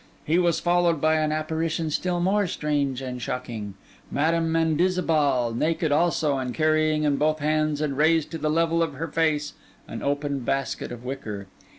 He was followed by an apparition still more strange and shocking: Madam Mendizabal, naked also, and carrying in both hands and raised to the level of her face, an open basket of wicker.